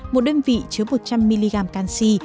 một đơn vị chứa một trăm linh mg canxi